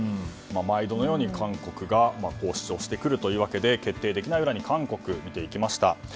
毎度のように韓国が主張してくるということで決定できない裏に韓国を見ていきました。